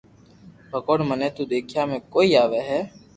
ڀگوان مني تو ديکيا ۾ ڪوئي آوي ھي